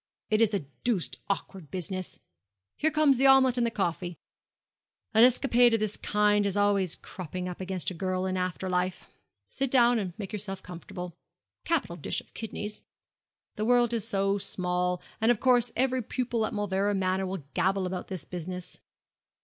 It is a deuced awkward business here come the omelette and the coffee an escapade of this kind is always cropping up against a girl in after life sit down and make yourself comfortable capital dish of kidneys the world is so small; and of course every pupil at Mauleverer Manor will gabble about this business.